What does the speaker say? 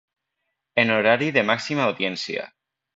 En horari de màxima audiència.